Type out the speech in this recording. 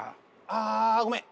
ああごめん。